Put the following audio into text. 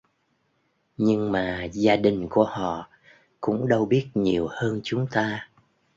Nhưng mà gia đình của họ cũng đâu biết nhiều hơn chúng ta